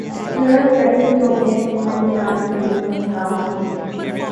ضرورت پڑی تو میں تمہاری جان بھی لے سکتا ہوں